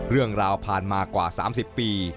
เรื่องราวผ่านมากว่า๓๐ปี